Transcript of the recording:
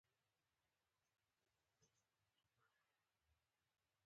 اوس خلک ټلویزیون د انټرنېټ سره نښلوي او هر څه آنلاین ګوري.